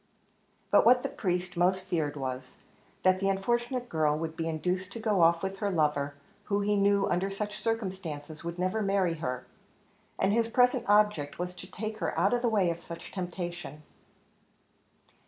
But what the priest most feared was, that the unfortunate girl would be induced to go off with her lover, who he knew under such circumstances would never marry her; and his present object was to take her out of the way of such temptation.